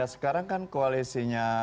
ya sekarang kan koalisinya